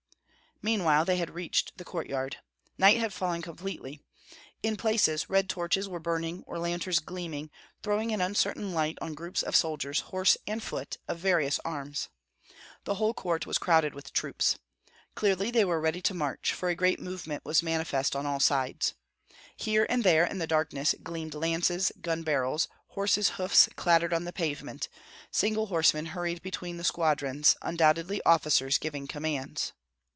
Meanwhile they had reached the courtyard. Night had fallen completely. In places red torches were burning or lanterns gleaming, throwing an uncertain light on groups of soldiers, horse and foot, of various arms. The whole court was crowded with troops. Clearly they were ready to march, for a great movement was manifest on all sides. Here and there in the darkness gleamed lances and gun barrels; horses' hoofs clattered on the pavement; single horsemen hurried between the squadrons, undoubtedly officers giving commands.